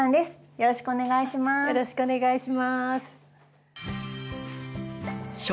よろしくお願いします。